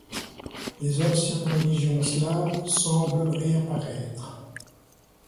Les anciennes religions slaves semblent réapparaître.